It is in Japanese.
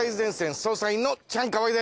捜査員のチャンカワイです。